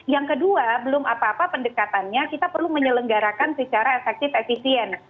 yang kedua belum apa apa pendekatannya kita perlu menyelenggarakan secara efektif efisien